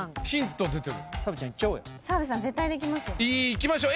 いきましょう。